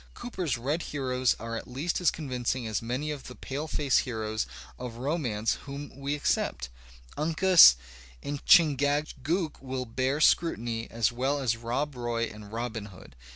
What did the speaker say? Cooper's red heroes are at least as convincing as many of the paleface heroes of romance whom we accept. TJncas and Chingachgook will bear scrutiny as well as Rob Roy and Robin Hood.